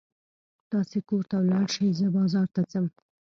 تاسې کور ته ولاړ شئ، زه بازار ته ځم.